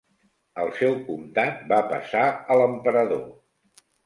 El seu comtat va passar a l'emperador.